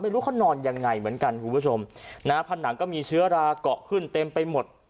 ไม่รู้เขานอนยังไงเหมือนกันคุณผู้ชมนะฮะผนังก็มีเชื้อราเกาะขึ้นเต็มไปหมด